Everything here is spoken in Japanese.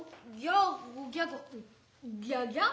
「ギャギャ？